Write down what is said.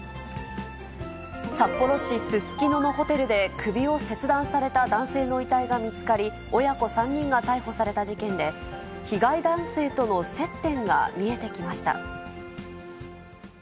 札幌市すすきののホテルで首を切断された男性の遺体が見つかり、親子３人が逮捕された事件で、被害男性との接点が見えてきました。